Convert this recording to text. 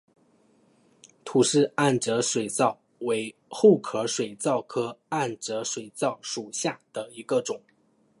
吐氏暗哲水蚤为厚壳水蚤科暗哲水蚤属下的一个种。